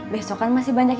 besokan masih banyak istirahat